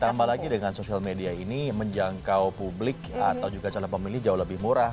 ditambah lagi dengan social media ini menjangkau publik atau juga calon pemilih jauh lebih murah